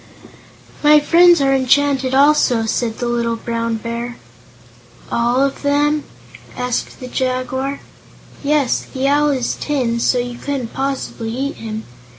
"My friends are enchanted, also," said the little Brown Bear. "All of them?" asked the Jaguar. "Yes. The Owl is tin, so you couldn't possibly eat him.